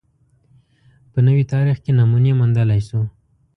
په نوي تاریخ کې نمونې موندلای شو